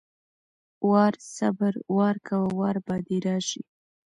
وار=صبر، وار کوه وار به دې راشي!